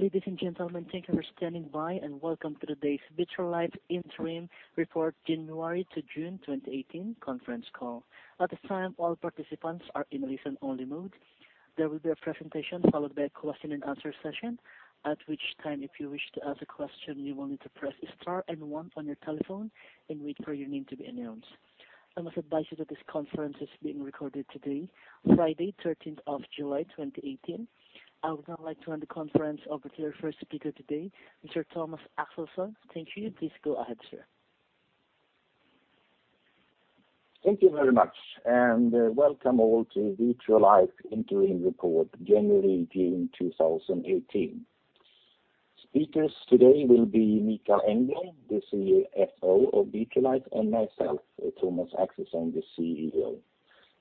Ladies and gentlemen, thank you for standing by, welcome to today's Vitrolife Interim Report, January to June 2018 conference call. At this time, all participants are in listen-only mode. There will be a presentation followed by a question and answer session, at which time, if you wish to ask a question, you will need to press star and one on your telephone and wait for your name to be announced. I must advise you that this conference is being recorded today, Friday, 13th of July, 2018. I would now like to hand the conference over to your first speaker today, Mr. Thomas Axelsson. Thank you. Please go ahead, sir. Thank you very much, welcome all to Vitrolife Interim Report, January, June 2018. Speakers today will be Mikael Engblom, the CFO of Vitrolife, myself, Thomas Axelsson, the CEO.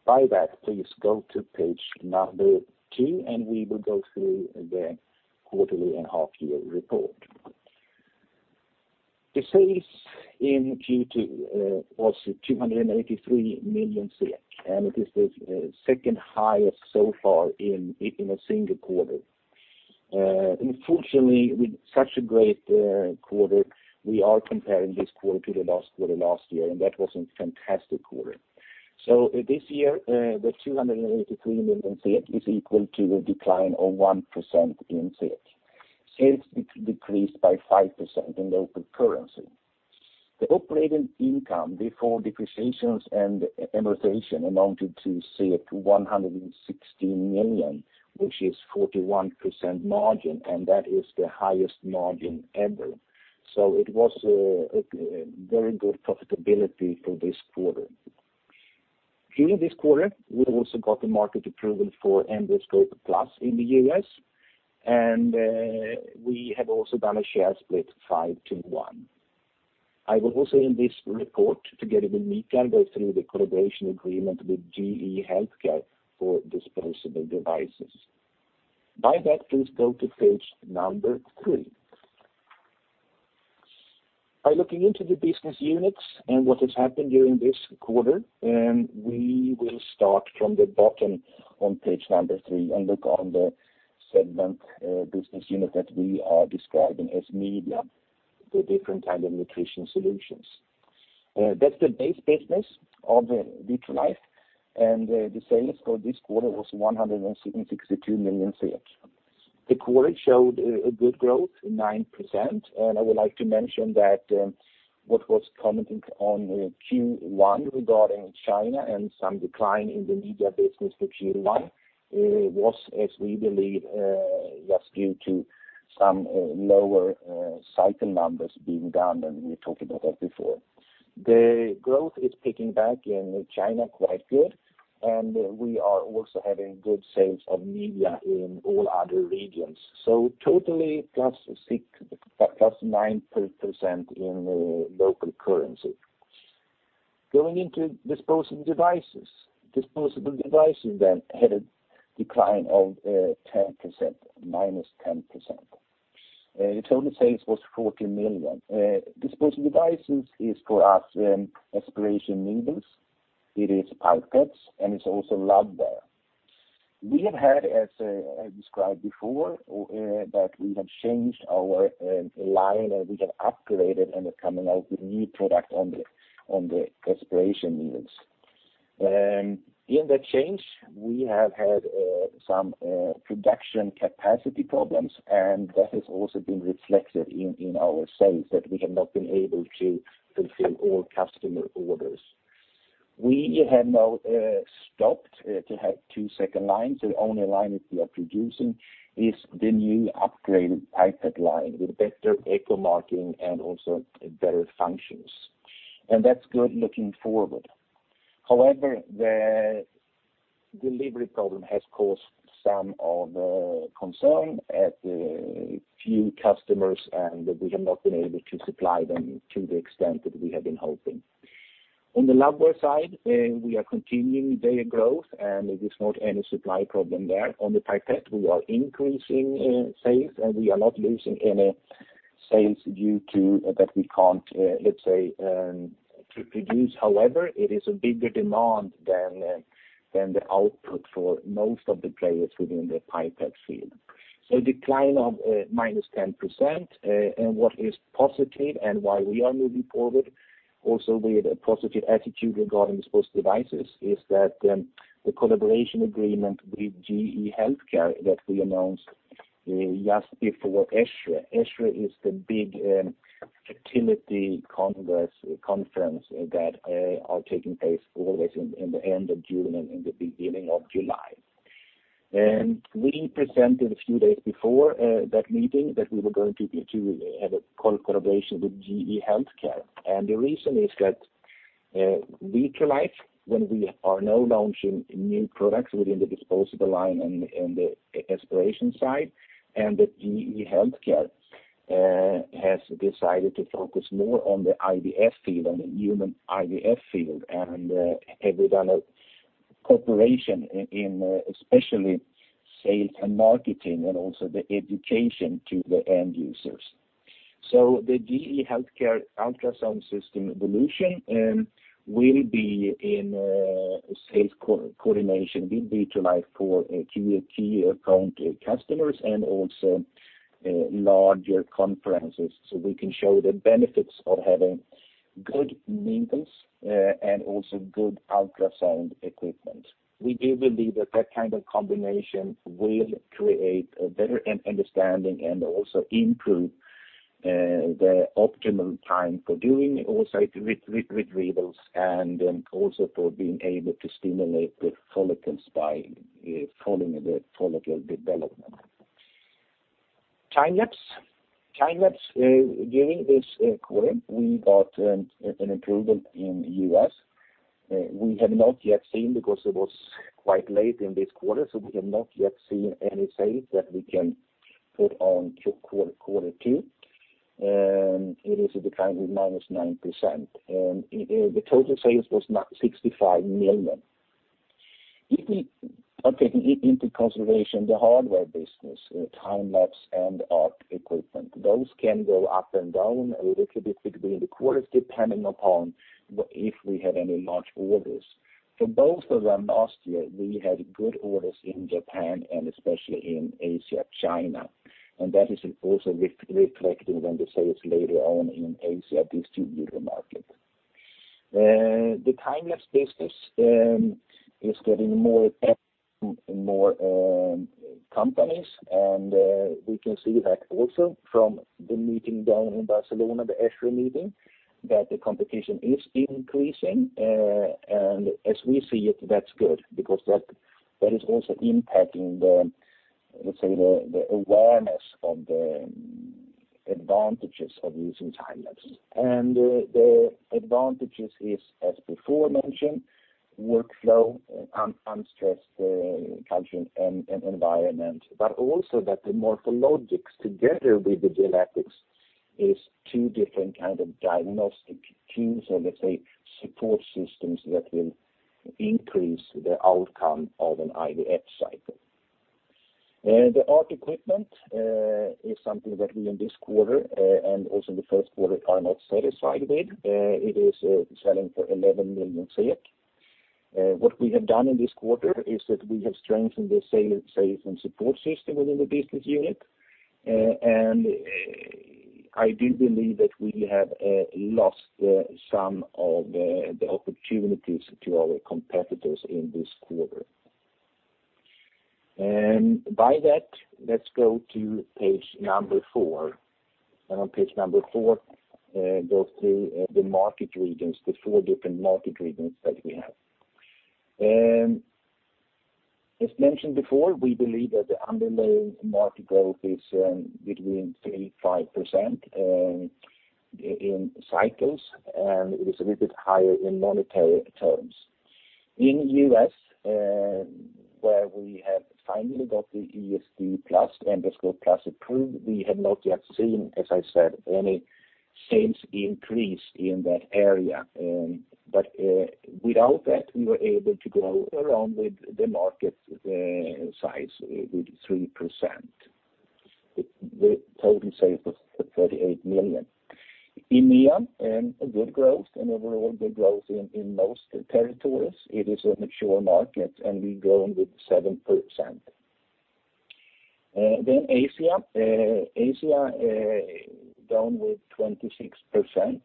By that, please go to page number 2, we will go through the quarterly and half year report. The sales in Q2 was 283 million, it is the second highest so far in a single quarter. Unfortunately, with such a great quarter, we are comparing this quarter to the last quarter last year, that was a fantastic quarter. This year, the 283 million is equal to a decline of 1% in SEK. Sales decreased by 5% in local currency. The operating income before depreciations and amortization amounted to 116 million, which is 41% margin. That is the highest margin ever. It was a very good profitability for this quarter. During this quarter, we also got the market approval for EmbryoScope+ in the U.S. We have also done a share split 5 to 1. I will also in this report, together with Mika, go through the collaboration agreement with GE HealthCare for disposable devices. By that, please go to page number three. By looking into the business units and what has happened during this quarter, we will start from the bottom on page number three and look on the segment, business unit that we are describing as Media, the different type of nutrition solutions. That's the base business of Vitrolife, and the sales for this quarter was 162 million SEK. The quarter showed a good growth, 9%. I would like to mention that what was commented on Q1 regarding China and some decline in the media business for Q1 was, as we believe, just due to some lower cycle numbers being down, and we talked about that before. The growth is picking back in China quite good, and we are also having good sales of media in all other regions. Totally, +6%, +9% in local currency. Going into disposable devices. Disposable devices had a decline of 10%, -10%. The total sales was 40 million SEK. Disposable devices is for us aspiration needles. It is pipettes, and it's also labware. We have had, as I described before, that we have changed our line, and we have upgraded and are coming out with new product on the aspiration needles. In the change, we have had some production capacity problems, and that has also been reflected in our sales, that we have not been able to fulfill all customer orders. We have now stopped to have two second lines. The only line that we are producing is the new upgraded pipette line with better CE marking and also better functions. That's good looking forward. However, the delivery problem has caused some of the concern at a few customers, and we have not been able to supply them to the extent that we have been hoping. On the labware side, we are continuing their growth, and there is not any supply problem there. On the pipette, we are increasing sales, and we are not losing any sales due to that we can't, let's say, to produce. However, it is a bigger demand than the output for most of the players within the pipette field. A decline of -10%, and what is positive and why we are moving forward also with a positive attitude regarding disposable devices, is that the collaboration agreement with GE HealthCare that we announced just before ESHRE. ESHRE is the big fertility congress, conference that are taking place always in the end of June and in the beginning of July. We presented a few days before that meeting that we were going to have a collaboration with GE HealthCare. The reason is that Vitrolife, when we are now launching new products within the disposable line and the aspiration side, and that GE HealthCare has decided to focus more on the IVF field, on the human IVF field, and have we done a cooperation in especially sales and marketing and also the education to the end users. The GE HealthCare ultrasound system Evolution will be in sales co-coordination, will be to like for a key account customers and also larger conferences. We can show the benefits of having good needles and also good ultrasound equipment. We do believe that that kind of combination will create a better understanding and also improve the optimal time for doing oocyte retrievals, and also for being able to stimulate the follicles by following the follicle development. time-lapse during this quarter, we got an approval in U.S. We have not yet seen because it was quite late in this quarter, so we have not yet seen any sales that we can put on to quarter two. It is the kind with -9%, and the total sales was not 65 million. If we are taking into consideration the hardware business, time-lapse and ART equipment, those can go up and down a little bit between the quarters, depending upon if we have any large orders. For both of them, last year, we had good orders in Japan and especially in Asia, China, that is also reflecting on the sales later on in Asia distributor market. The time-lapse business is getting more companies, we can see that also from the meeting down in Barcelona, the ESHRE meeting, that the competition is increasing. As we see it, that's good, because that is also impacting the, let's say, the awareness of the advantages of using time-lapse. The advantages is, as before mentioned, workflow, unstressed country and environment, but also that the morphokinetics, together with the genetics, is two different kind of diagnostic tools, or let's say, support systems that will increase the outcome of an IVF cycle. The ART equipment is something that we, in this quarter, and also in the first quarter, are not satisfied with. It is selling for 11 million. What we have done in this quarter is that we have strengthened the sales and support system within the business unit. I do believe that we have lost some of the opportunities to our competitors in this quarter. By that, let's go to page number 4. On page number 4 goes to the market regions, the 4 different market regions that we have. As mentioned before, we believe that the underlying market growth is between 3%-5% in cycles, and it is a little bit higher in monetary terms. In the U.S., where we have finally got the ESD+, EmbryoScope+ approved, we have not yet seen, as I said, any sales increase in that area. Without that, we were able to grow around with the market size with 3%. The total sales was 38 million. India, a good growth, and overall good growth in most territories. It is a mature market, we grown with 7%. Asia. Asia, down with 26%.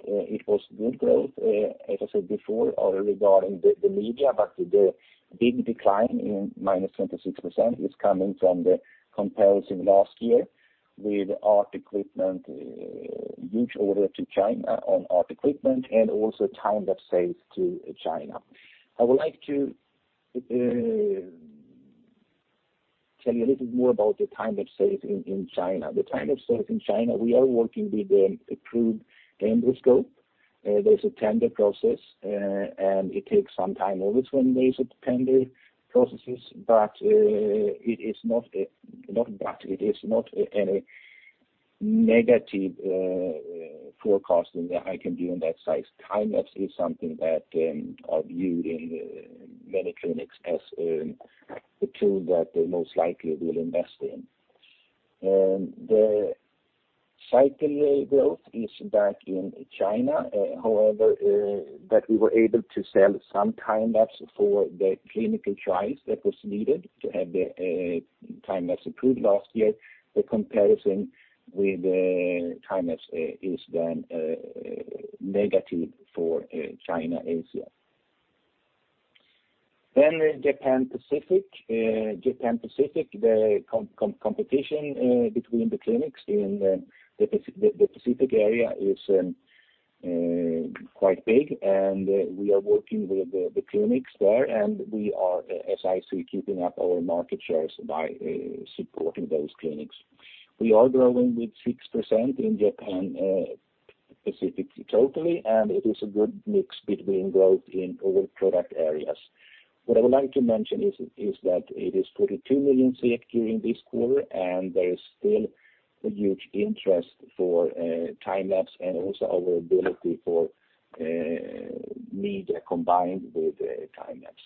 It was good growth, as I said before, regarding the media, the big decline in -26% is coming from the comparison last year with ART equipment, huge order to China on ART equipment and also time-lapse sales to China. I would like to tell you a little more about the time-lapse sales in China. The time-lapse sales in China, we are working with approved EmbryoScope. There's a tender process, and it takes some time, always when there's a tender processes. It is not any negative forecasting that I can do on that size. Time-lapse is something that are viewed in many clinics as a tool that they most likely will invest in. The cycle growth is back in China, however, that we were able to sell some time-lapse for the clinical trials that was needed to have the time-lapse approved last year. The comparison with time-lapse is then negative for China, Asia. Japan Pacific. Japan Pacific, the competition between the clinics in the Pacific area is quite big, and we are working with the clinics there, and we are, as I see, keeping up our market shares by supporting those clinics. We are growing with 6% in Japan Pacific totally, and it is a good mix between growth in all product areas. What I would like to mention is that it is 42 million SEK during this quarter, and there is still a huge interest for time-lapse and also our ability for media combined with time-lapse.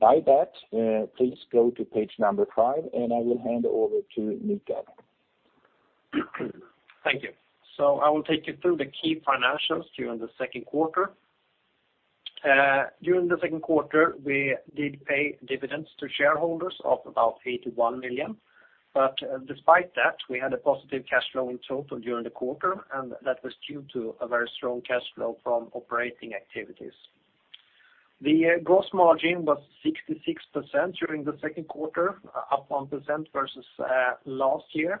By that, please go to page number 5, and I will hand over to Mikael. Thank you. I will take you through the key financials during the second quarter. During the second quarter, we did pay dividends to shareholders of about 81 million. Despite that, we had a positive cash flow in total during the quarter, and that was due to a very strong cash flow from operating activities. The gross margin was 66% during the second quarter, up 1% versus last year.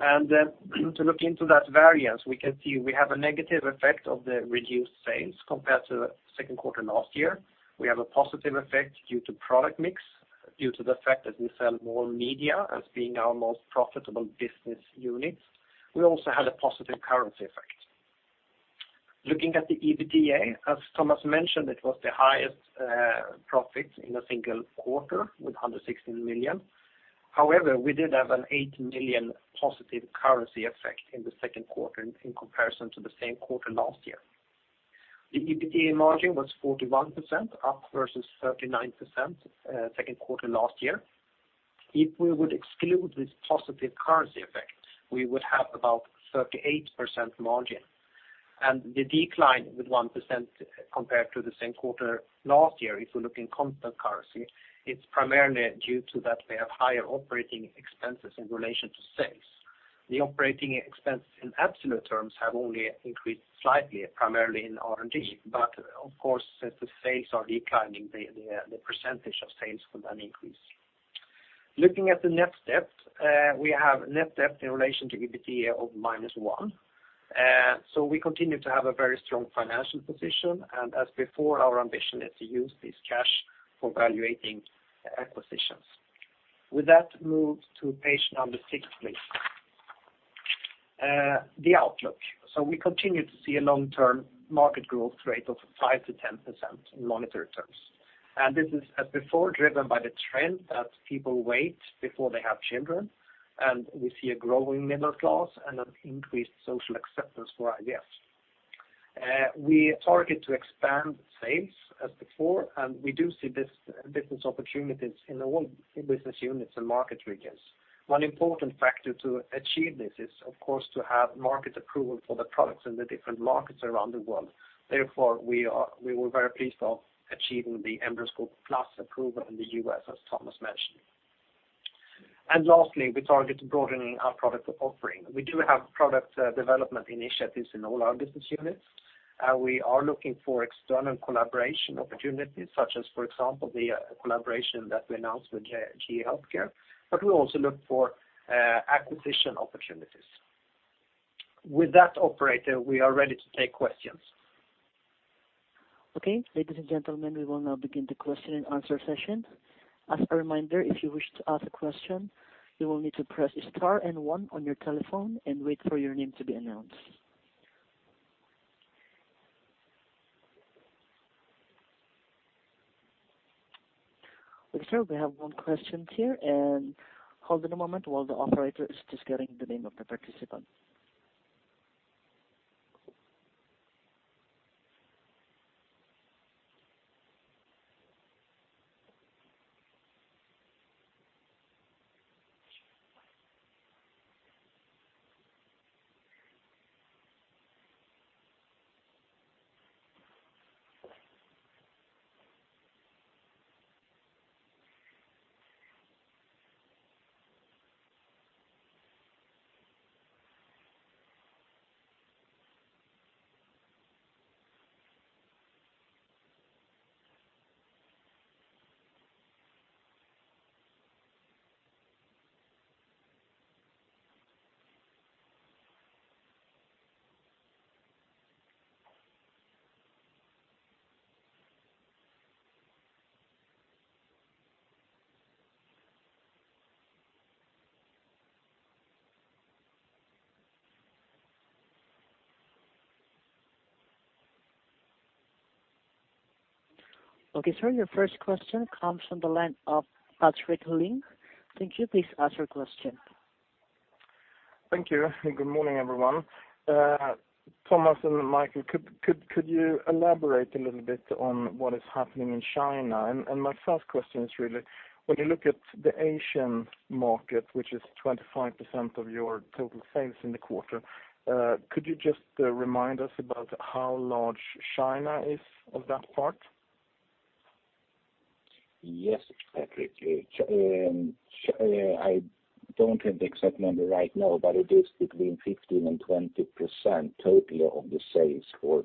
To look into that variance, we can see we have a negative effect of the reduced sales compared to second quarter last year. We have a positive effect due to product mix, due to the fact that we sell more media as being our most profitable business unit. We also had a positive currency effect. Looking at the EBITDA, as Thomas mentioned, it was the highest profit in a single quarter with under 16 million. We did have an 8 million positive currency effect in the second quarter in comparison to the same quarter last year. The EBITDA margin was 41%, up versus 39% second quarter last year. If we would exclude this positive currency effect, we would have about 38% margin, the decline with 1% compared to the same quarter last year, if we look in constant currency, it's primarily due to that we have higher operating expenses in relation to sales. The operating expenses in absolute terms have only increased slightly, primarily in R&D, but of course, as the sales are declining, the percentage of sales will then increase. Looking at the net debt, we have net debt in relation to EBITDA of -1. We continue to have a very strong financial position, and as before, our ambition is to use this cash for valuating acquisitions. With that, move to page number 6, please. The outlook. We continue to see a long-term market growth rate of 5%-10% in monetary terms. This is, as before, driven by the trend that people wait before they have children, and we see a growing middle class and an increased social acceptance for IVF. We target to expand sales as before, and we do see this business opportunities in all business units and market regions. One important factor to achieve this is, of course, to have market approval for the products in the different markets around the world. Therefore, we were very pleased of achieving the EmbryoScope+ approval in the U.S., as Thomas mentioned. Lastly, we target to broadening our product offering. We do have product development initiatives in all our business units. We are looking for external collaboration opportunities, such as, for example, the collaboration that we announced with GE HealthCare, but we also look for acquisition opportunities. With that, operator, we are ready to take questions. Okay, ladies and gentlemen, we will now begin the question and answer session. As a reminder, if you wish to ask a question, you will need to press star and one on your telephone and wait for your name to be announced. Okay, sir, we have one question here. Hold on a moment while the operator is just getting the name of the participant. Okay, sir, your first question comes from the line of Patrik Ling. Thank you. Please ask your question. Thank you. Good morning, everyone. Thomas and Mikael, could you elaborate a little bit on what is happening in China? My first question is really, when you look at the Asian market, which is 25% of your total sales in the quarter, could you just remind us about how large China is of that part? Yes, Patrik. I don't have the exact number right now, but it is between 15% and 20% total of the sales for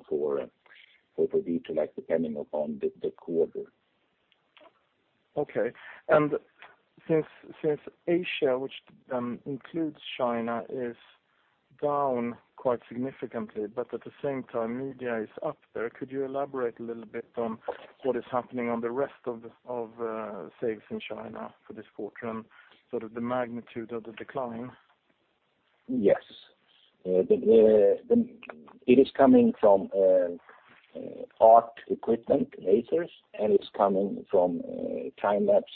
Vitrolife, depending upon the quarter. Okay. Since Asia, which includes China, is down quite significantly, but at the same time, media is up there, could you elaborate a little bit on what is happening on the rest of the sales in China for this quarter and sort of the magnitude of the decline? Yes. It is coming from ART equipment, lasers, and it's coming from time-lapse,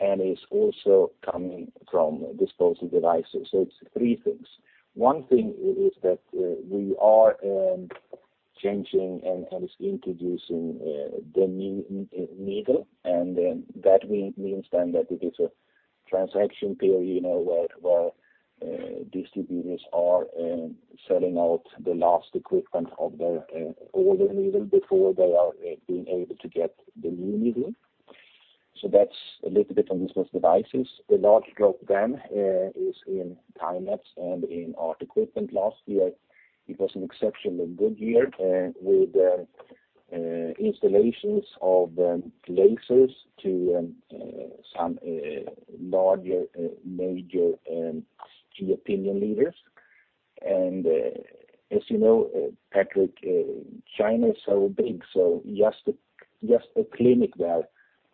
and it's also coming from disposal devices. It's three things. One thing is that we are changing and introducing the new needle. That means then that it is a transaction period, you know, where distributors are selling out the last equipment of their older needle before they are being able to get the new needle. That's a little bit on disposable devices. The large drop then is in Time-lapse and in ART equipment. Last year, it was an exceptionally good year with installations of lasers to some larger, major key opinion leaders. As you know, Patrik, China is so big, so just a clinic there,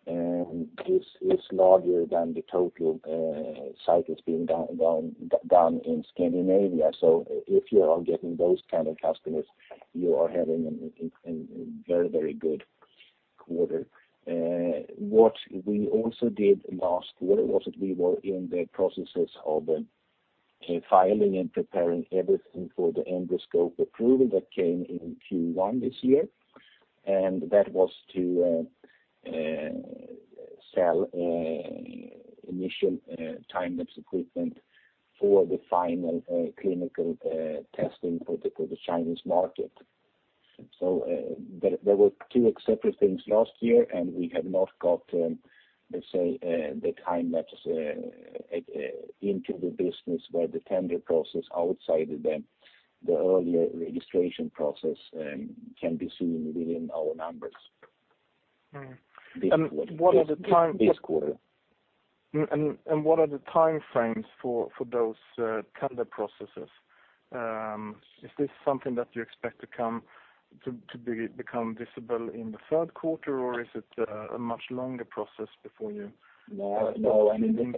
is larger than the total, cycles being done in Scandinavia. If you are getting those kind of customers, you are having an very good quarter. What we also did last year, was we were in the processes of, filing and preparing everything for the EmbryoScope approval that came in Q1 this year. That was to, sell, initial, time-lapse equipment for the final, clinical, testing, particularly the Chinese market. There, there were two exceptional things last year, and we have not got, let's say, the time-lapse, into the business, where the tender process outside the earlier registration process, can be seen within our numbers. Mm. This quarter. what are the This quarter. What are the time frames for those tender processes? Is this something that you expect to become visible in the third quarter, or is it a much longer process before you- No, I mean,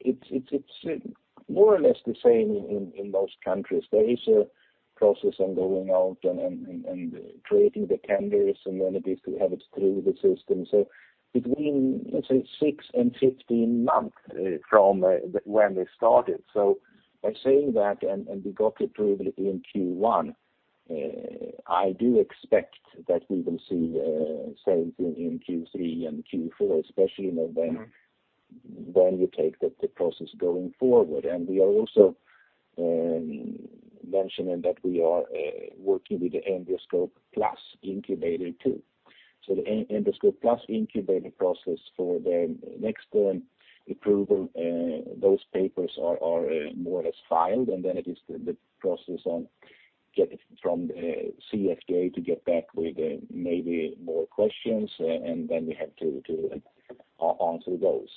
it's more or less the same in most countries. There is a process on going out and creating the tenders, and then it is to have it through the system. Between, let's say, 6 and 15 months, from when they started. By saying that, and we got it approved in Q1, I do expect that we will see same thing in Q3 and Q4, especially, you know, when. Mm when you take the process going forward. We are also mentioning that we are working with the EmbryoScope+ Incubator, too. The EmbryoScope+ Incubator process for the next approval, those papers are more or less filed, and then it is the process on get it from CFDA to get back with maybe more questions, and then we have to answer those.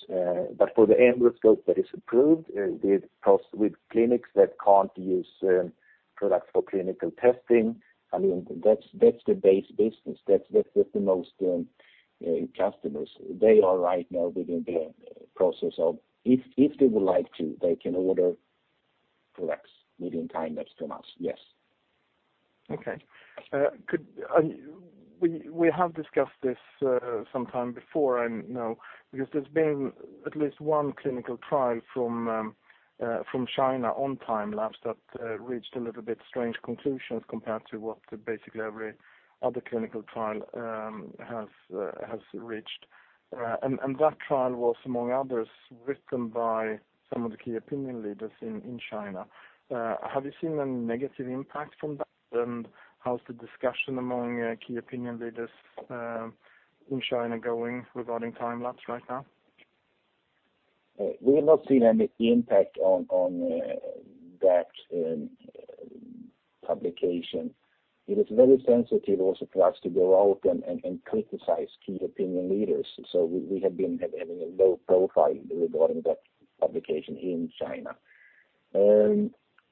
For the EmbryoScope that is approved, the pros with clinics that can't use products for clinical testing, I mean, that's the base business. That's the most customers. They are right now within the process of. If they would like to, they can order products within time-lapse from us, yes. Okay. Could we have discussed this sometime before, and now, because there's been at least one clinical trial from China on time-lapse that reached a little bit strange conclusions, compared to what basically every other clinical trial has reached. That trial was, among others, written by some of the key opinion leaders in China. Have you seen a negative impact from that, and how's the discussion among key opinion leaders in China going regarding time-lapse right now? We have not seen any impact on that publication. It is very sensitive also for us to go out and criticize key opinion leaders, so we have been having a low profile regarding that publication in China.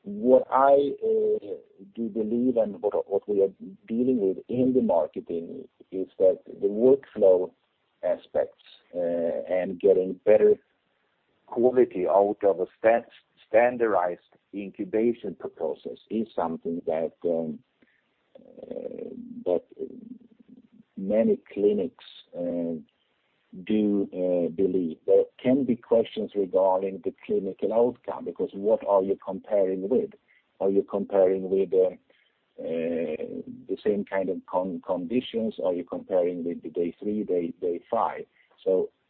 What I do believe and what we are dealing with in the marketing is that the workflow aspects and getting better quality out of a standardized incubation process is something that many clinics do believe. There can be questions regarding the clinical outcome, because what are you comparing with? Are you comparing with the same kind of conditions? Are you comparing with the day three, day five?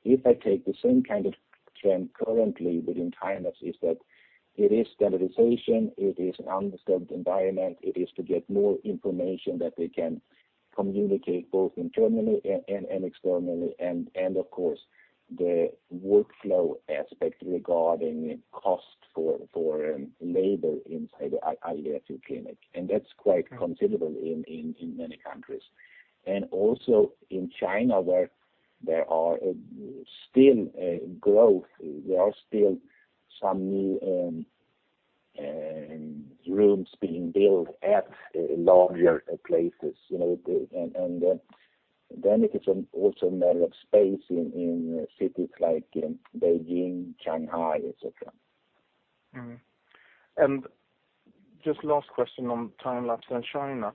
If I take the same kind of trend currently within time-lapse, is that it is standardization, it is an undisturbed environment, it is to get more information that they can communicate both internally and externally, and of course, the workflow aspect regarding cost for labor inside the IVF clinic, and that's quite considerable in many countries. Also in China, where there are still growth, there are still some new rooms being built at larger places, you know. Then it is also a matter of space in cities like Beijing, Shanghai, et cetera. Just last question on time-lapse and China.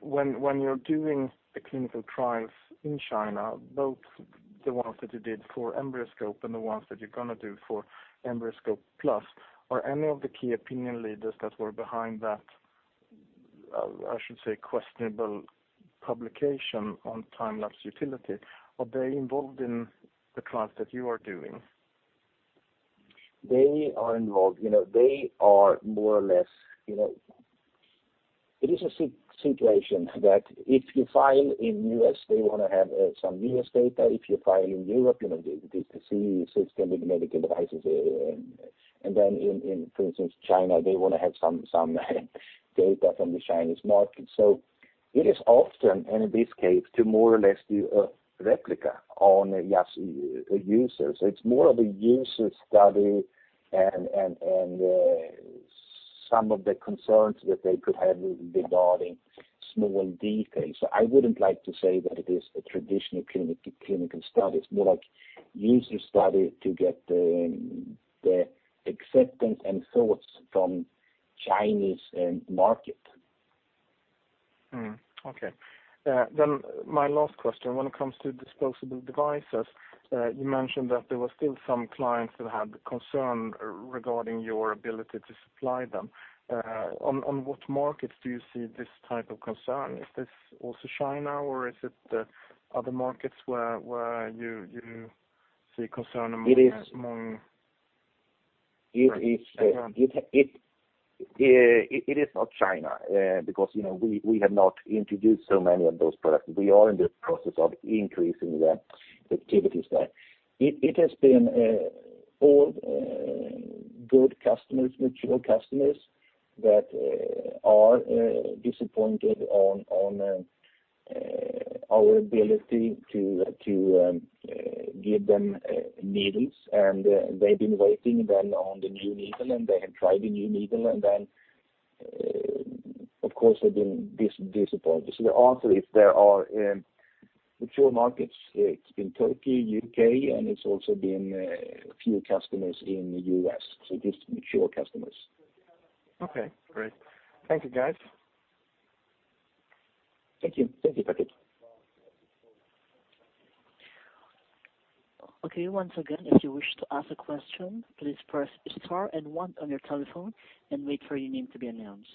When you're doing the clinical trials in China, both the ones that you did for EmbryoScope and the ones that you're gonna do for EmbryoScope+, are any of the key opinion leaders that were behind that, I should say, questionable publication on time-lapse utility? Are they involved in the trials that you are doing? They are involved, you know, they are more or less, you know, it is a situation that if you file in U.S., they want to have some U.S. data. If you file in Europe, you know, the CE system with medical devices, and then in, for instance, China, they want to have some data from the Chinese market. It is often, and in this case, to more or less do a replica on a just a user. It's more of a user study and, some of the concerns that they could have regarding small details. I wouldn't like to say that it is a traditional clinical study. It's more like user study to get the acceptance and thoughts from Chinese market. Okay. My last question: when it comes to disposable devices, you mentioned that there were still some clients that had concern regarding your ability to supply them. On what markets do you see this type of concern? Is this also China, or is it other markets where you see concern among- It is- Among... It is not China, because, you know, we have not introduced so many of those products. We are in the process of increasing the activities there. It has been old good customers, mature customers, that are disappointed on our ability to give them needles, and they've been waiting then on the new needle, and they have tried the new needle, and then, of course, they've been disappointed. Also, if there are mature markets, it's been Turkey, U.K., and it's also been a few customers in the U.S., so just mature customers. Okay, great. Thank you, guys. Thank you. Thank you, Patrik. Okay, once again, if you wish to ask a question, please press star and one on your telephone and wait for your name to be announced.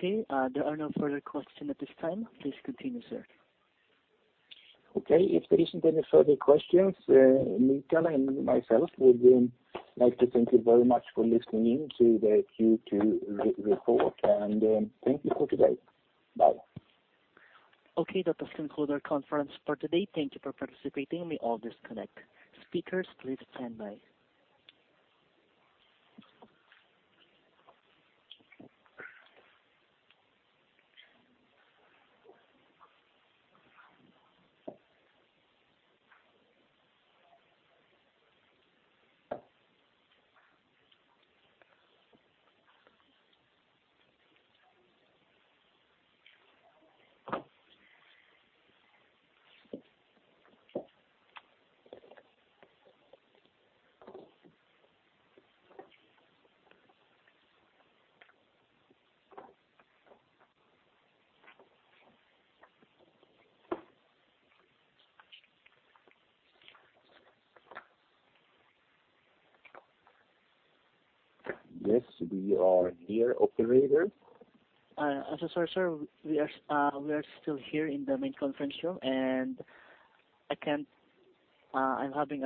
There are no further questions at this time. Please continue, sir. Okay, if there isn't any further questions, Mikael and myself would like to thank you very much for listening in to the Q2 report, and thank you for today. Bye. Okay, that does conclude our conference for today. Thank Thank you for participating. We all disconnect. Speakers, please stand by. Yes, we are here, operator. I'm so sorry, sir. We are still here in the main conference room, and I can't... I'm having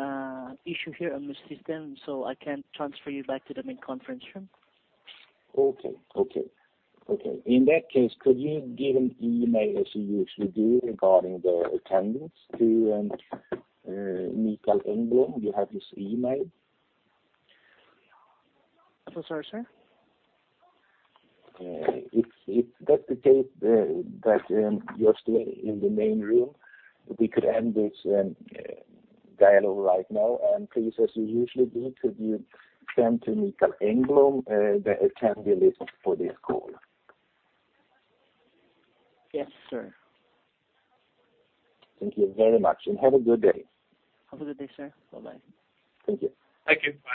issue here on the system, so I can't transfer you back to the main conference room. Okay. Okay. Okay. In that case, could you give an email as you usually do, regarding the attendance to Mikael Engblom? Do you have his email? I'm so sorry, sir. If that's the case, that you're still in the main room, we could end this dialogue right now. Please, as you usually do, could you send to Mikael Engblom, the attendance list for this call? Yes, sir. Thank you very much, and have a good day. Have a good day, sir. Bye-bye. Thank you. Thank you. Bye.